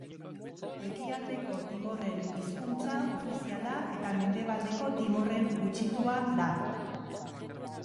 Ekialdeko Timorren hizkuntza ofiziala eta Mendebaldeko Timorren gutxitua da.